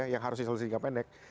yang harusnya solusi jangka pendek